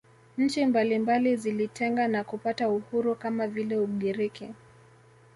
Nchi mbalimbali zilijitenga na kupata uhuru kama vile Ugiriki